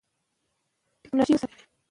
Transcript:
د مشترکو کمېسیونو په وسیله اداره ترسره کيږي.